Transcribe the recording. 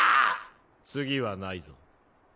次はないぞ。